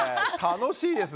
楽しいです。